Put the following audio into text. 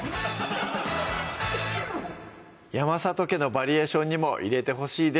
山里家のバリエーションにも入れてほしいです